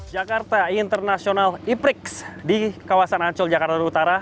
jakarta international e prix di kawasan ancol jakarta utara